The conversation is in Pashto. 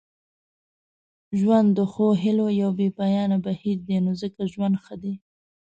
ژوند د ښو هیلو یو بې پایانه بهیر دی نو ځکه ژوند ښه دی.